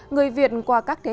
người việt qua các thế hệ